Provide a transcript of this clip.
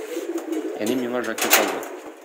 Әни миңа жакет алды.